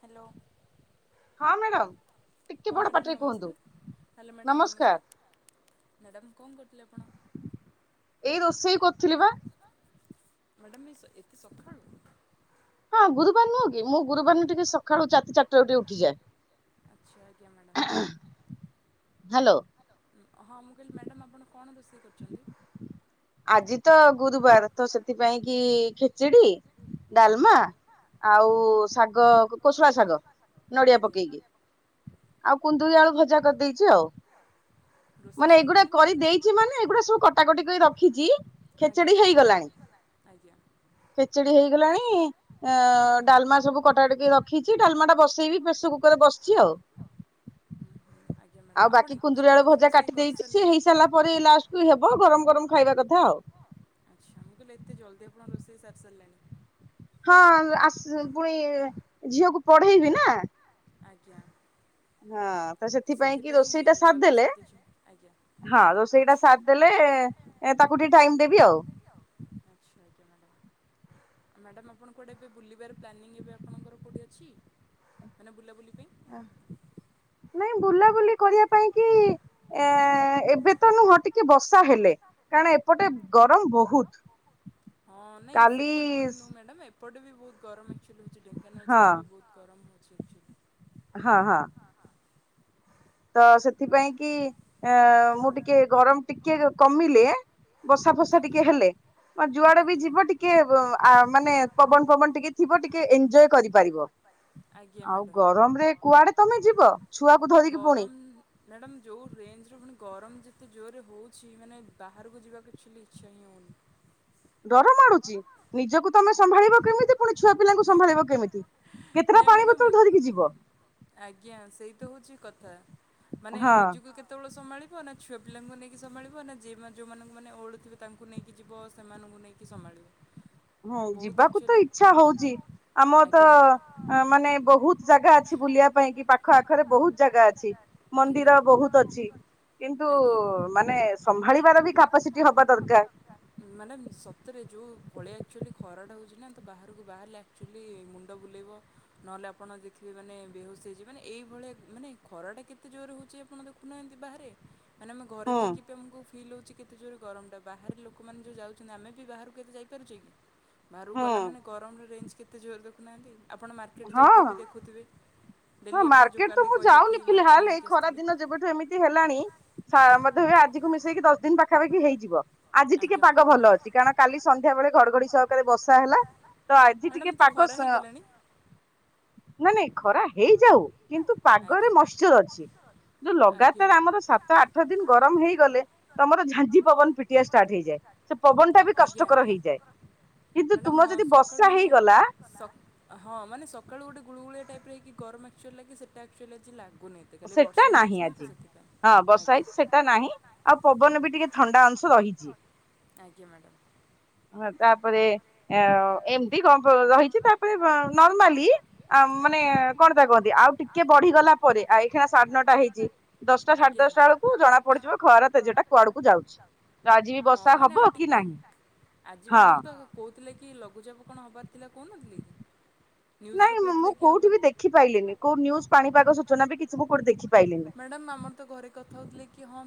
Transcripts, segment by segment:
Hello ହଁ madam ନମସ୍ତେ hello madam ନମସ୍ତେ ମ୍ୟାଡ଼ାମ୍ କଣ କରଥିଲେ ଆପଣ? ମ୍ୟାଡ଼ାମ ଏ ଏତେ ସକାଳୁ? ହଁ ଗୁରୁବାର ନୁହଁ କି ମୁଁ ଗୁରୁବାର ନ ଟିକେ ସକାଳୁ ରାତି ଚାରିଟାରୁ ଟିକେ ଉଠିଯାଏ। ଆଚ୍ଛା ଆଜ୍ଞା ମ୍ୟାଡ଼ାମ। ହଁ ମୁଁ କହିଲି ମ୍ୟାଡ଼ାମ୍ ଆପଣ କଣ ରୋଷେଇ କରୁଛନ୍ତି? ତ ଗୁରୁବାର ତ ସେଥିପାଇଁ କି ଖେଚିଡି, ଡାଲମା ଆଉ ଶାଗ କୋଶଳା ଶାଗ ନଡିଆ ପକେଇକି ଆଉ କୁନ୍ଦୁଡି ଆଳୁ ଭଜା କରିଦେଇଛି ଆଉ ମାନେ ଏଇଗୁଡା କରିଦେଇଛି ମାନେ ଏଗୁଟା ସବୁ କଟାକଟି କରି ରଖିଛି ଖେଚେଡି ହେଇଗଲାଣି ଖେଚେଡି ହେଇଗଲାଣି ଡାଲମା ସବୁ କଟା ଟିକେ ରଖିଛି ଡାଲମା ଟା ବସେଇବି ପ୍ରେସର କୁକରରେ ବସିଛି ଆଉ। ଆଉ ବାକି କୁନ୍ଦୁଡି ଆଳୁ ଭଜା କାଟି ଦେଇଛି ସେ ହେଇ ସାରିଲା ପରେ ଲାଷ୍ଟକୁ ହେବ ଗରମ ଗରମ ଖାଇବା କଥା ଆଉ। ଜଲଦି ଆପଣ ରୋଷେଇ ସାରି ସାରିଲେଣି। ହଁ ଆ ପୁଣି ଝିଅକୁ ପଢେଇବି ନା। ଆଜ୍ଞା। ହଁ ତ ସେଥିପାଇଁ କି ରୋଷେଇଟା ସାରିଦେଲେ ହଁ ରୋଷେଇଟା ସାରିଦେଲେ ତାକୁ ଟିକେ ଟାଇମ ଦେବି ଆଉ। ମ୍ୟାଡ଼ ମ୍ୟାଡ଼ମ୍ ଆପଣ କୁଆଡ଼େ ଏବେ ବୁଲିବାର ପ୍ଲାନିଂ ଏବେ ଆପଣଙ୍କର କୋଉଠି ଅଛି? ମାନ ବୁଲାବୁଲି ପାଇଁ ନାଇଁ ବୁଲାବୁଲି କରିବା ପାଇଁ କି ଏ ଏବେ ତ ନୁହଁ ଟିକେ ବସ ବର୍ଷା ହେଲେ କାରଣ ଏପଟେ ଗରମ ବହୁତ କାଲି ଟେ ବି ବହୁତ ଗରମ ହଉଚି ଢେଙ୍କାନାଳ ସାଇଟ୍ ବି ବହୁତ ଗରମ ଠିକ ଠିକ। ହଁ ହଁ। ତ ସେଥିପାଇଁ କି ଆ ମୁଁ ଟିକେ ଗରମ ଟିକେ କମିଲେ ବର୍ଷା ଫର୍ଷା ଟିକେ ହେଲେ ମ ଯୁଆଡେ ବି ଯିବ ଟିକେ ମାନେ ପବନ ପବନ ଟିକେ ଥିବ ଟିକେ ଏନ୍ଜୟ କରିପାରିବ ଆଉ ଗରମରେ କୁଆଡେ ତମେ ଯିବ ଛୁଆକୁ ଧରିକି ଗରମ୍ ମ୍ୟାଡ଼ାମ ଯୋଉ ରେଞ୍ଜର ଗରମ ଯେତେ ଜୋରରେ ହଉଛି ମାନେ ବାହାରକୁ ଯିବାକୁ ଟୋଟାଲି ଇଚ୍ଛା ହିଁ ହଉନି। ଡର ମାଡୁଛି ନିଜକୁ ତମେ ସମ୍ଭାଳିବ କେମିତି? ପୁଣି ଛୁଆ ପିଲାଙ୍କୁ ସମ୍ଭାଳିବ କେମିତି କେତେଟା ପାଣି ବୋତଲ ଧରିକି ଯିବ ହଁ। ସମ୍ଭାଳିବ ନା ଛୁଆ ପିଲାଙ୍କୁ ନେଇକି ସମ୍ଭାଳିବ ନା ଯେଉଁ ଯୋଉମାନଙ୍କୁ ମାନେ ଓଲ୍ଡ ତାଙ୍କୁ ନେଇକି ଯିବ ସେମାନଙ୍କୁ ନେଇକି ସମ୍ଭାଳିବ। ହୁଁ ଯିବାକୁ ତ ଇଚ୍ଛା ହଉ ହଉଛି ଆମର ତ ମାନେ ବହୁତ ଜାଗା ଅଛି ବୁଲିବା ପାଇଁ କି ପାଖ ଆଖରେ ବହୁତ ଜାଗା ଅଛି। ମନ୍ଦିର ବହୁତ ଅଛି। କିନ୍ତୁ ମାନେ ସମ୍ଭାଳିବାର ବି କାପାସିଟି ହବା ଦରକାର। ଭଳିଆ ଆକ୍ଚୁଆଲି ଖରାଟା ହେଉଛି ନା ତ ବାହାର ବାହାରକୁ ବାହାରିଲେ ଆକ୍ଚୁଆଲି ମୁଣ୍ଡ ବୁଲେଇବ ନହେଲେ ଆପଣ ଦେଖିବେ ମାନେ ବେହୋସ ହେଇଯିବ। ମାନେ ଏଇଭଳିଆ ମାନେ ଖରାଟା କେତେ ଜୋରରେ ହେଉଛି ଆପଣ ଦେଖୁନାହାଁନ୍ତି ବାହାରେ। ମାନେ ଆମେ ଘରେ ଥାଇକି ବି [unintelligible] ଫିଲ୍ ହେଉଛି କେତେ ଜୋର ଗରମଟା। ବାହାରେ ଲୋକମାନେ ଯୋଉ ଯାଉଛନ୍ତି ଆମେ ବି ବାହାରକୁ ଏତେ ଯାଇପାରୁଛେ କି। ବାହାରକୁ ଗଲା ମାନେ ଗରମର ରେଞ୍ଜ କେତେ ଜୋରେ ଦେଖୁନାହାନ୍ତି ଆପଣ ମାର୍କେଟ ଯାଉଥିବେ ବି ଦେଖୁଥିବେ। ହଁ ମାର୍କେଟ ତ ମୁଁ ଯାଉନି ଫିଲାଲ ଏଇ ଖରା ଦିନ ଯେବେଠୁ ଏମିତି ହେଲାଣି। ସ ବୋଧ ହୁଏ ଆଜି କୁ ମିଶେଇକି ଦଶ ଦିନି ପାଖା ପାଖି ହେଇଯିବ। ଆଜି ଟିକେ ପାଗ ଭଲ ଅଛି କାରଣ କାଲି ସନ୍ଧ୍ୟା ବେଳେ ଘଡଘଡି ସହକାରେ ବର୍ଷା ହେଲା। ତ ଆଜି ଟିକେ ପାଗ ସ, ଅଁ ନାଇଁ ନାଇଁ ଖରା ହେଇଯାଉ କିନ୍ତୁ ପାଗରେ ମଶ୍ଚର ଅଛି। ଯୋଉ ଲଗାତାର ଆମର ସାତ ଆଠ ଦିନି ଗରମ ହେଇଗଲେ, ତମର ଝାଞ୍ଜି ପବନ ପିଟିବା ଷ୍ଟାର୍ଟ ହେଇଯାଏ। ସେ ପବନ ଟା ବି କଷ୍ଟକର ହେଇଯାଏ। କିନ୍ତୁ ତୁମ ଯଦି ବ ଆପଣମାନେ ସ ହଁ ମାନେ ସକାଳୁ ଗୋଟେ ଗୁଳୁ ଗୁଳିଆ ଟାଇପର ହେଇକି ଗରମ ଆକ୍ଚୁଲି ଲାଗେ ସେଇଟା ଆକ୍ଚୁଲି ଥିଲା ସେଟା ନାହିଁ ଆଜି। ହଁ ବର୍ଷା ହେଇଛି ସେଇଟା ନାହିଁ, ଆଉ ପବନ ବି ଟିକେ ଥଣ୍ଡା ଅଂଶ ରହିଛି। ହଁ ତାପରେ ଏ ଅ ଏମିତି କଣ ପ ରହିଛି। ତାପରେ ଅଁ ନର୍ମାଲି ଆ ମାନେ କଣ ତାକୁ କହନ୍ତି ଆଉ ଟିକେ ବଢିଗଲା ପରେ ଆ ଏଇଖିଣା ସାଢେ ନଅଟା ହେଇଛି। ଦଶଟା ସାଢେ ଦଶଟା ବେଳକୁ ଜଣା ପଡିଯିବ ଖରା ତେଜଟା କୁଆଡକୁ ଯାଉଛି। ତ ଆଜି ବି ବର୍ଷା ହବ କି ନାହିଁ। ହଁ। କଣ ହବାର ଥିଲା କହୁନଥିଲେ କି ନାଇଁ ମୁଁ ମୁଁ କୋଉଠି ବି ଦେଖି ପାଇଲିିନି। କୋଉ ନ୍ୟୁଜ ପାଣିପାଗ ସୂଚନା ବି କିଛି ମୁଁ କୋଉଠି ଦେଖି ପାଇଲିନି।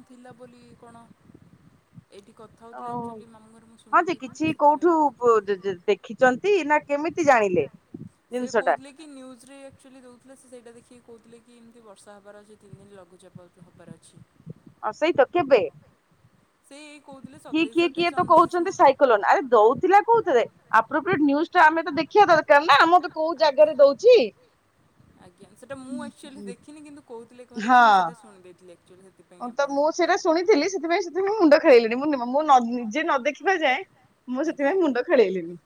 ଥିଲା ବୋଲି କଣ ଏଇଠି କଥା ହଉଥିଲା ଆକ୍ଚୁଆଲି ମାମୁଁ ଘରେ ମୁଁ ଶୁଣିବାକୁ ପାଇଥିଲି ତ ସେଥିପାଇଁ ମୁଁ କହୁଥିଲି। ଚନ୍ତି ନା କେମିତି ଜାଣିଲେ ଜିନିଷ ଟା? ସେ ସେଇଟା ଦେଖିକି କହୁଥିଲେ କି ଏମିତି ବର୍ଷା ହବାର ଅଛି ତିନି ଦିନି ଲଘୁଚାପ ଆଉଥରେ ହେବାର ଅଛି। ହଁ ସେଇ ତ କେବେ? ସେ ଏଇ କହୁଥିଲେ ସତେଇଶି ଅଠେଇଶି ଅଣତିରିଶି ନା କଣ। ଆଜ୍ଞା, ଆଜ୍ଞା ସେଟା ମୁଁ ଆକ୍ଚୁଆଲି ଦେଖିନି। କିନ୍ତୁ କହୁଥିଲେ ଘରେ ଯେ ମୁଁ ସେଇଟା ଶୁଣିଦେ ଥିଲେ। ଆକ୍ଚୁଆଲି ସେଥିପାଇଁ ଆପଣଙ୍କୁ କହିଲି। ମୁଁ ମୁଣ୍ଡ ଖାଇ ଗଲେଣି। ମୁଁ ମୁଁ ନ ନିଜେ ନ ଦେଖିବା ଯାଏଁ ମୁଁ ସେଥିପାଇଁ ମୁଣ୍ଡ ଖେଳେଇଲିନି।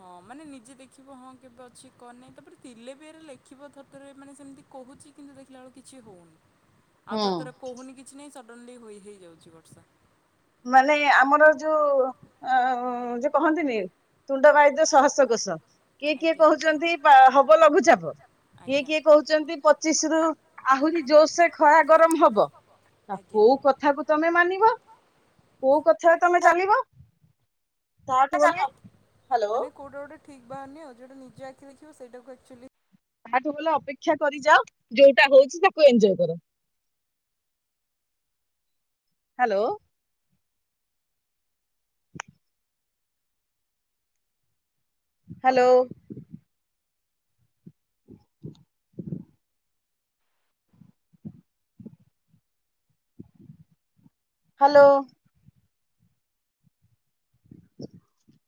ହଁ ମାନେ ନିଜେ ଦେଖିବ ହଁ କେବେ ଅଛି କଣ ନାହିଁ। ତାପରେ ଥିଲେ ବି ଏ ରେ ଲେଖିବ। ଥରେ ଥରେ ମାନେ ସେମିତି କହୁଛି କିନ୍ତୁ ଦେଖିଲା ବେଳକୁ କିଛି ହଉନି। ଆଉ ଥରେ ଥରେ କହୁନି କିଛି ନାଇଁ ସ ସଡ଼ନଲି ହୋଇ ହେଇ ଯାଉଛି ବର୍ଷା। ମାନେ ଆମର ଯୋଉ ଅ ଯୋଉ କହନ୍ତିନି ତୁଣ୍ଡ ବାଇଦ୍ୟ ସହସ୍ର କୋଷ କିଏ କିଏ କହୁଛନ୍ତି ପା ହବ ଲଘୁଚାପ କିଏ କିଏ କହୁଛନ୍ତି ପଚିଶି ରୁ ଆହୁରି ଜୋରସେ ଖରା ଗରମ ହବ ଆଉ କୋଉ କଥାକୁ ତମେ ମାନିବ। କୋଉ କଥାରେ ତମେ ଚାଲିବ। ତା ଠୁ ଭଲ ହ୍ୟାଲୋ। ଠିକ ବାହାରୁନି ଆଉ ନିଜେ ଆଖି ରେ ଦେଖିବ ସେଇଟାକୁ ଆକ୍ଚୁଆଲି ତାଠୁ ଭଲ ଅପେକ୍ଷା କରିଯାଅ ଯୋଉଟା ହଉଛି ତାକୁ ଏନଜୟ କର। ହ୍ୟାଲୋ। Hello [inaudible] hello. [inaudible]